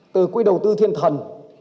từ quỹ đầu tư thiên thần